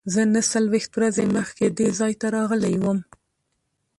زه نهه څلوېښت ورځې مخکې دې ځای ته راغلی وم.